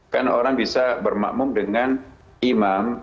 kan orang bisa bermakmum dengan imam